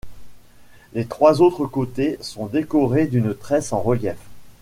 Les trois autres côtés sont décorés d'une tresse en relief.